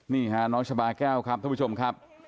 นี่ค่ะน้องชาบาแก้วครับท่านผู้ชมครับ